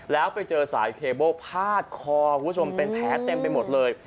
แล้วไปเจอสายเคเบิ้ลพาดคอคุณผู้ชมเป็นแผลเต็มไปหมดเลย